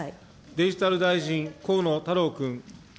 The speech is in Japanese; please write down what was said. デジタル大臣、河野太郎君。